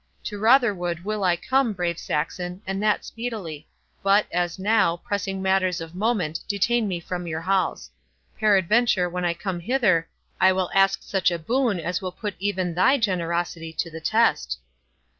To Rotherwood will I come, brave Saxon, and that speedily; but, as now, pressing matters of moment detain me from your halls. Peradventure when I come hither, I will ask such a boon as will put even thy generosity to the test."